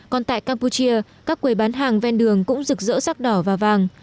còn tại campuchia các quầy bán hàng ven đường cũng rực rỡ sắc đỏ và vàng